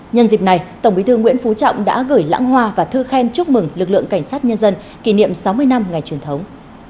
nhân dịp này tổng bí thư nguyễn phú trọng đã gửi lãng hoa và thư khen chúc mừng lực lượng cảnh sát nhân dân kỷ niệm sáu mươi năm ngày truyền thống